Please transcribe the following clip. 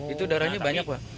itu darahnya banyak pak